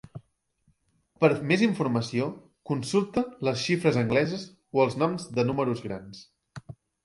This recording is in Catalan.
Per més informació, consulta les xifres angleses o els noms de números grans.